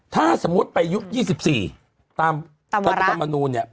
ถ้าสมมุติไปยุค๒๔ตามตำรวรรณ์เนี่ย